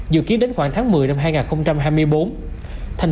dự kiến đến khoảng tháng một mươi năm hai nghìn hai mươi bốn